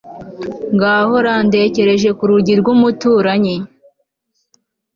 ngahora ndekereje ku rugi rw'umuturanyi